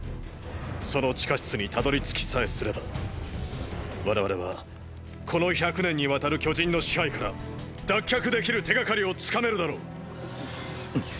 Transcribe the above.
その地下室にたどりつきさえすれば我々はこの１００年にわたる巨人の支配から脱却できる手がかりをつかめるだろう！え？